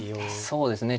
そうですね。